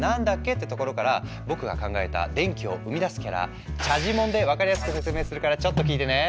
ってところから僕が考えた電気を生み出すキャラ「チャジモン」で分かりやすく説明するからちょっと聞いてね。